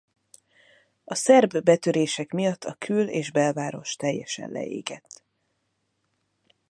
A szerb betörések miatt a kül- és belváros teljesen leégett.